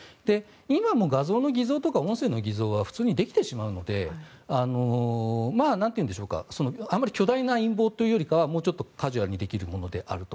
今も画像の偽造とか音声の偽造は普通にできてしまうのであまり巨大な陰謀というよりかはもうちょっとカジュアルにできるものであると。